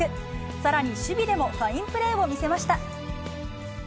さらに守備でもファインプレーを見せました。